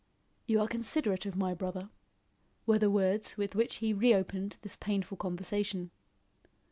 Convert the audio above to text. "You are considerate of my brother," were the words with which he re opened this painful conversation.